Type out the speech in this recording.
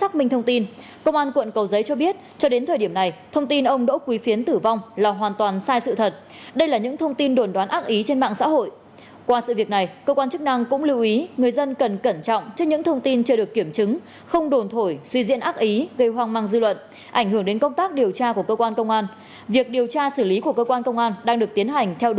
các bạn hãy đăng ký kênh để ủng hộ kênh của chúng mình nhé